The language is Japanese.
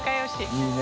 いいね。